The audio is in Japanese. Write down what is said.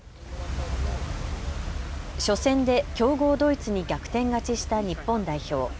初戦で強豪ドイツに逆転勝ちした日本代表。